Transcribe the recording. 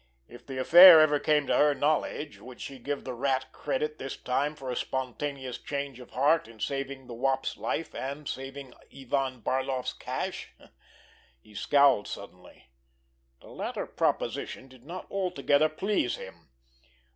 If the affair ever came to her knowledge, would she give the Rat credit this time for a spontaneous change of heart in saving the Wop's life, and saving Ivan Barloff's cash? He scowled suddenly. The latter proposition did not altogether please him.